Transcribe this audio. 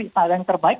standar yang terbaik